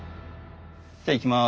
じゃあいきます。